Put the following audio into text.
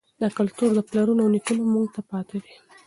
دا کلتور له پلرونو او نیکونو موږ ته پاتې دی.